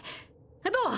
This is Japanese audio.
どう？